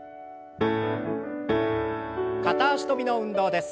片脚跳びの運動です。